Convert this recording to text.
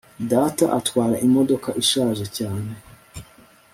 data atwara imodoka ishaje cyane